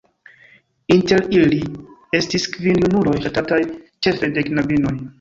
Inter ili estis kvin junuloj ŝatataj ĉefe de knabinoj.